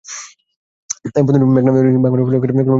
এই বন্দরটি মেঘনা নদীর ভাঙ্গনের ফলে ক্রমে পূর্ব দিকে সরে এসেছে।